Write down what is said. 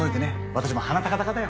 私も鼻高々だよ。